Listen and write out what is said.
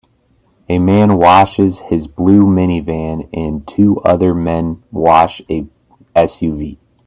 A man washes his blue minivan and two other men wash a SUV.